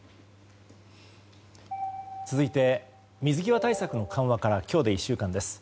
続いて水際対策の緩和から今日で１週間です。